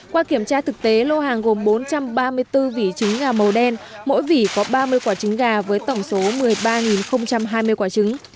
qua kiểm tra thực tế lô hàng gồm bốn trăm ba mươi bốn vỉ trứng gà màu đen mỗi vỉ có ba mươi quả trứng gà với tổng số một mươi ba hai mươi quả trứng